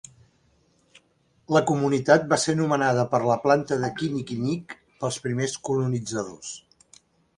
La comunitat va ser nomenada per la planta de kinnikinick pels primers colonitzadors.